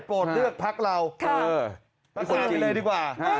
โปรดเลือกพักเราพักคนจริงเลยดีกว่า